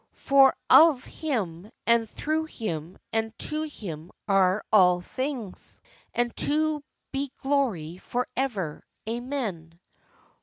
For of Him, and through Him, and to Him are all things; to whom be glory for ever. Amen.